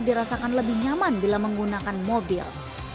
dirasakan lebih nyaman bila menggunakan mobil